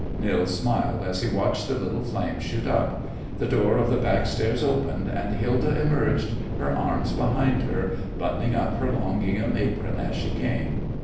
Nils smiled as he watched the little flames shoot up. The door of the back stairs opened, and Hilda emerged, her arms behind her, buttoning up her long gingham apron as she came.